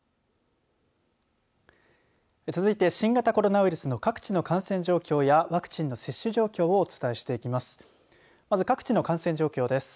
続いて、新型コロナウイルスの各地の感染状況やワクチンの接種状況をお伝えしていきます。